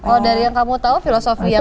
oh dari yang kamu tahu filosofi yang